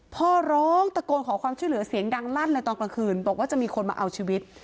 พ่อร้องตะโกนขอความช่วยเหลือเสียงดังลั่นเลยตอนกลางคืนบอกว่าจะมีคนมาเอาชีวิต